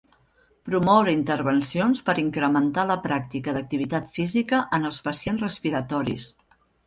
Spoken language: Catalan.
Promoure intervencions per incrementar la pràctica d'activitat física en els pacients respiratoris.